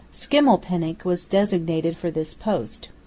Schimmelpenninck was designated for this post.